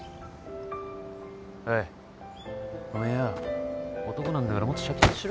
おいおめえよ男なんだからもっとシャキッとしろよ。